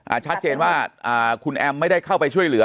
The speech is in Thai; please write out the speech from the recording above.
ชัดเจนว่าอ่าคุณแอมไม่ได้เข้าไปช่วยเหลือ